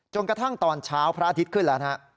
กระทั่งตอนเช้าพระอาทิตย์ขึ้นแล้วนะฮะ